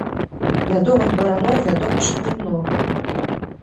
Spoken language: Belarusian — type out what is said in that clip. Вядомых бараноў, вядома ж, не многа.